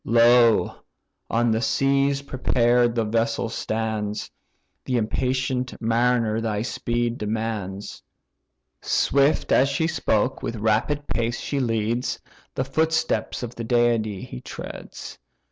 "Lo! on the seas, prepared the vessel stands, The impatient mariner thy speed demands." Swift as she spoke, with rapid pace she leads; The footsteps of the deity he treads.